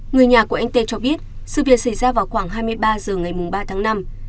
người nhà của anh tê cho biết sự việc xảy ra vào khoảng hai mươi ba h ngày ba tháng năm